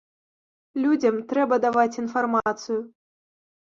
Людзям трэба даваць інфармацыю!